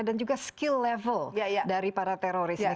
dan juga skill level dari para teroris ini